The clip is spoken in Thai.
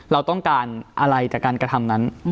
เราต้องการอะไรจากการกระทำนั้น